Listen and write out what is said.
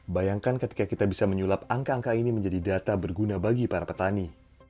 bayangkan ketika kita bisa menyulap angka angka ini menjadi data berguna bagi para petani